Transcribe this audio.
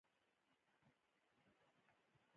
د کندز ابي ځمکې شالې کوي؟